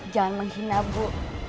jangan menghina bu